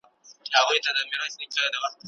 موږ باید نړیوال څېړندود تعقیب کړو.